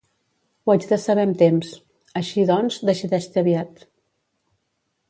Ho haig de saber amb temps; així, doncs, decideix-te aviat.